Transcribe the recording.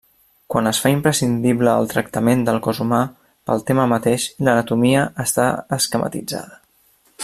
Quan es fa imprescindible el tractament del cos humà, pel tema mateix, l'anatomia està esquematitzada.